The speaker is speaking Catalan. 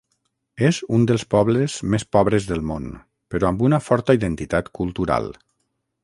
És un dels pobles més pobres del món però amb una forta identitat cultural.